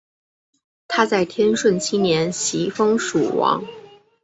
他在天顺七年袭封蜀王。